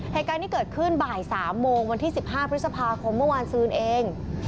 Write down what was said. เหตุการณ์ที่เกิดขึ้นบ่าย๓โมงวันที่๑๕พฤษภาคมเมื่อวานซืนเอง